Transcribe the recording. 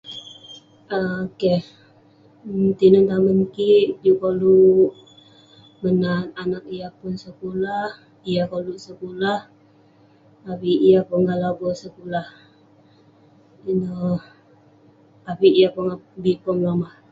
Keh, tinen tamen kik bi koluk menat anag yah pun sekulah, yah koluk sekulah, avik yah pongah lobo sekulah..ineh, avik yah pongah bi pom lomah..